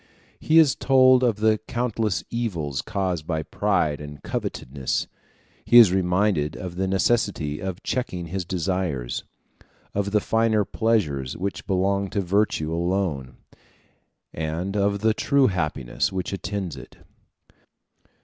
He is told of the countless evils caused by pride and covetousness: he is reminded of the necessity of checking his desires, of the finer pleasures which belong to virtue alone, and of the true happiness which attends it.